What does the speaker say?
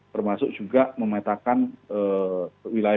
termasuk juga memetakan kewilayah kewilayah